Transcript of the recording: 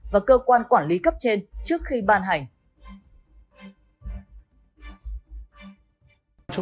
và cơ quan quản lý cấp thu